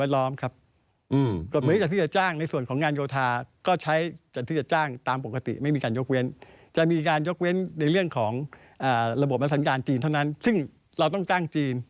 ระบบอสังการจีนเท่านั้นซึ่งเราต้องจ้างจีน